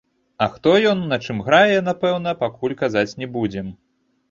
А хто ён, на чым грае, напэўна, пакуль казаць не будзем.